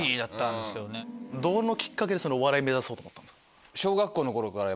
どのきっかけでお笑い目指そうと思ったんですか？